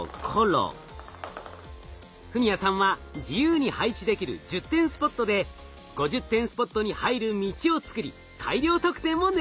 史哉さんは自由に配置できる１０点スポットで５０点スポットに入る道を作り大量得点を狙います。